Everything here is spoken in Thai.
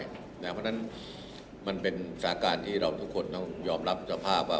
เพราะฉะนั้นมันเป็นสาการที่เราทุกคนต้องยอมรับสภาพว่า